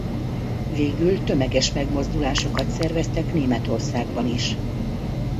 Végül tömeges megmozdulásokat szerveztek Németországban is.